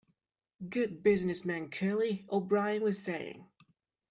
Good business man, Curly, O'Brien was saying.